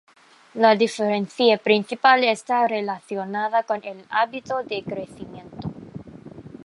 La diferencia principal está relacionada con el hábito de crecimiento.